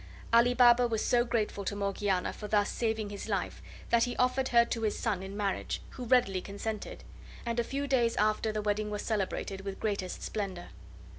Ali Baba was so grateful to Morgiana for thus saving his life that he offered her to his son in marriage, who readily consented, and a few days after the wedding was celebrated with greatest splendor.